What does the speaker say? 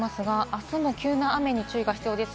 あすも急な雨に注意が必要です。